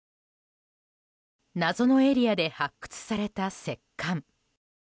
謎のエリアで発掘された石棺。